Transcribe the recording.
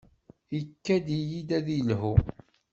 Ikad-iyi-d ad yelhu.